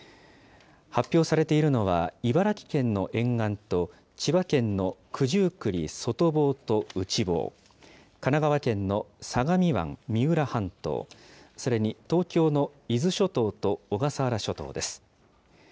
発表されているのは、茨城県の沿岸と千葉県の九十九里、外房と内房、神奈川県の相模湾、三浦半島、それに東京の伊豆諸島と小笠原諸島です。